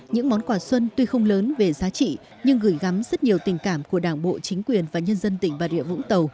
những món quà xuân tuy không lớn về giá trị nhưng gửi gắm rất nhiều tình cảm của đảng bộ chính quyền và nhân dân tỉnh bà rịa vũng tàu